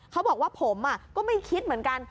เขาบอกว่าผมก็ไม่คิดเหมือนกัน